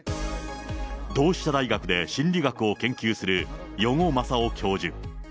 同志社大学で心理学を研究する余語真夫教授。